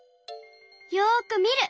よくみる！